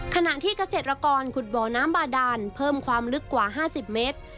ขณะที่เกษตรกรขุดบ่อน้ำบาดานเพิ่มความลึกกว่า๕๐เมตร